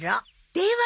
では。